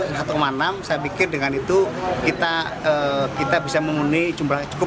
saya pikir dengan itu kita bisa memenuhi jumlah yang cukup